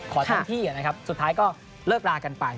ขอทางที่กันนะครับสุดท้ายก็เลิกลากันไป